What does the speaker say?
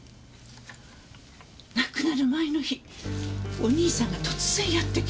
亡くなる前の日お兄さんが突然やってきて。